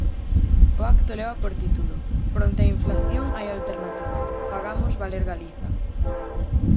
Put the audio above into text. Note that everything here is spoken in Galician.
O acto leva por título "Fronte á inflación hai alternativa, fagamos valer Galiza".